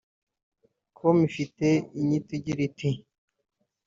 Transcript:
com ifite inyito igira iti